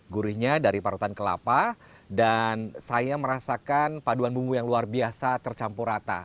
gurihnya dari parutan kelapa dan saya merasakan paduan bumbu yang luar biasa tercampur rata